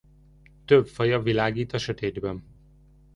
Több faja világít a sötétben.